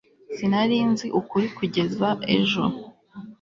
sinari nzi ukuri kugeza ejo